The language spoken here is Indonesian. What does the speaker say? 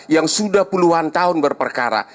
yang sudah puluhan tahun berperkara